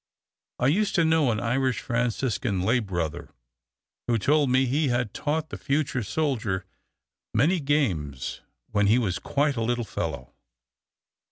I used to know an Irish Franciscan lay brother who told me he had taught the future soldier "many games" when he was quite a little fellow.